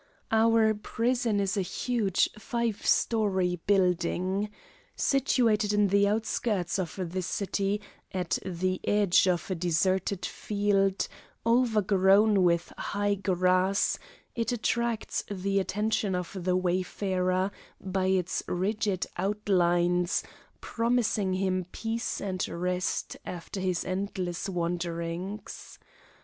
Our prison is a huge five story building. Situated in the outskirts of the city, at the edge of a deserted field, overgrown with high grass, it attracts the attention of the wayfarer by its rigid outlines, promising him peace and rest after his endless wanderings.